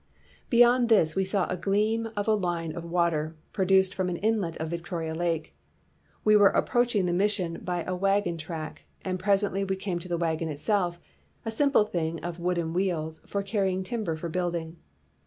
Beyond this we saw a gleam of a line of water, produced from an inlet of Victoria Lake. We were approaching the mission by a wagon track, and presently we came to the wagon itself, a simple thing of wooden wheels, for carry ing timber for building.